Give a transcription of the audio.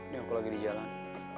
nih aku lagi di jalan